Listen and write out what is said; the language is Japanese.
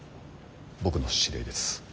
僕の知り合いです。